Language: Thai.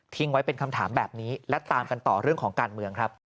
ไว้เป็นคำถามแบบนี้และตามกันต่อเรื่องของการเมืองครับ